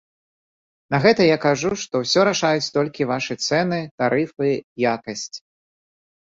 На гэта я кажу, што ўсё рашаюць толькі вашы цэны, тарыфы, якасць.